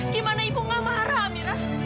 gimana ibu gak marah amirah